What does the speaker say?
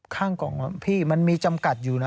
ข้างกล่องพี่มันมีจำกัดอยู่นะ